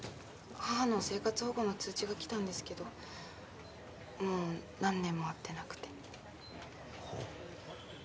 母の生活保護の通知が来たんですけどもう何年も会ってなくてはあ